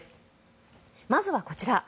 まずはこちら。